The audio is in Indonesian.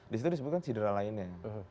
di situ disebutkan cedera lainnya